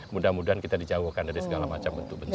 mudah mudahan kita dijauhkan dari segala macam bentuk bentuk